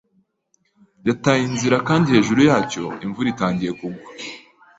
Yataye inzira kandi hejuru yacyo imvura itangiye kugwa.